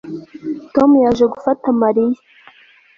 Tom yaje gufata Mariya